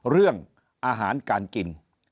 เรื่องอาหารการกิน